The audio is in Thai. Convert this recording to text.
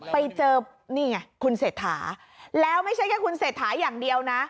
ไปเจอนี่ไงคุณเศรษฐาแล้วไม่ใช่แค่คุณเศรษฐาอย่างเดียวนะ